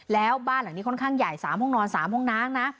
แล้วบ้านหลังนี้ค่อนข้างใหญ่๓ห้องนอน๓ห้องน้ำนะ